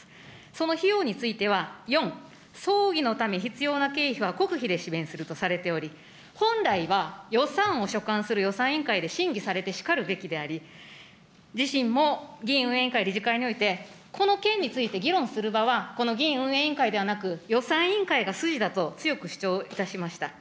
その費用については、４、葬儀のため必要な経費は国費で支弁するとされており、本来は予算を所管する予算委員会で審議されてしかるべきであり、自身も議院運営理事会において、この件について議論する場は、この議院運営委員会ではなく、予算委員会が筋だと強く主張いたしました。